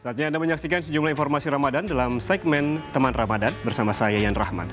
saatnya anda menyaksikan sejumlah informasi ramadan dalam segmen teman ramadhan bersama saya yan rahman